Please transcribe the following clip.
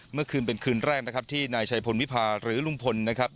เมื่อคืนเป็นคืนแรกนะครับที่นายชัยพลวิพาหรือลุงพลนะครับ